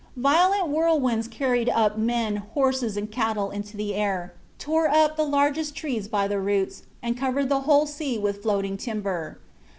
"Violent whirlwinds carried up men, horses, and cattle into the air, tore up the largest trees by the roots, and covered the whole sea with floating timber."